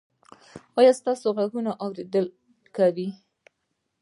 ایا ستاسو غوږونه اوریدل کوي؟